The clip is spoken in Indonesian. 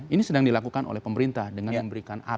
ini sedang dilakukan oleh pemerintah dengan memberikan